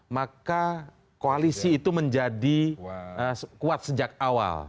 maka koalisi itu menjadi kuat sejak awal